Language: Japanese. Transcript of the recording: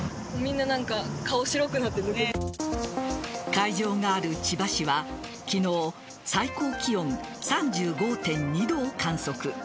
会場がある千葉市は昨日最高気温３５．２度を観測。